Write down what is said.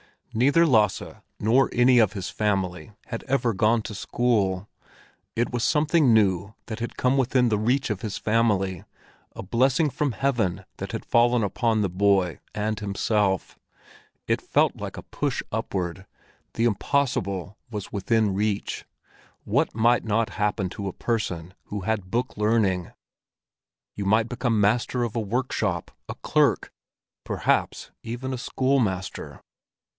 Neither Lasse nor any of his family had ever gone to school; it was something new that had come within the reach of his family, a blessing from Heaven that had fallen upon the boy and himself. It felt like a push upward; the impossible was within reach; what might not happen to a person who had book learning! You might become master of a workshop, a clerk, perhaps even a schoolmaster.